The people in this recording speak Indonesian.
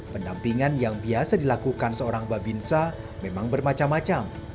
pendampingan yang biasa dilakukan seorang babinsa memang bermacam macam